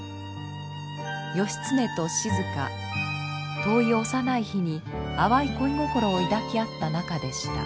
義経と静遠い幼い日に淡い恋心を抱き合った仲でした。